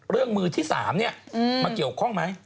เรื่องมือที่๓นี่มาเกี่ยวข้องมั้ย